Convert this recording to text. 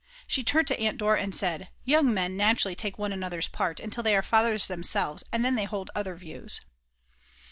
She turned to Aunt Dora and said: "Young men naturally take one another's part, until they are fathers themselves and then they hold other views."